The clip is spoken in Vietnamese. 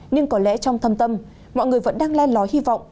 nhưng có lẽ trong thâm tâm mọi người vẫn đang len lói hy vọng